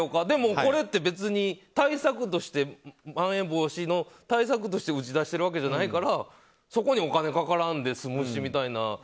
でもこれって別にまん延防止の対策として打ち出しているわけじゃないからそこにお金かからんで済むしみたいな。